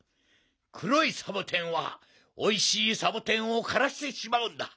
くろいサボテンはおいしいサボテンをからしてしまうんだ。